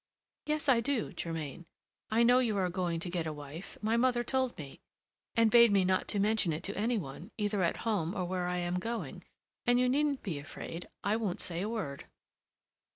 "Yes, I do, Germain; I know you are going to get a wife; my mother told me, and bade me not mention it to any one, either at home or where I am going, and you needn't be afraid: I won't say a word."